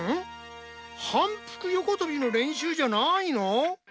反復横とびの練習じゃないの？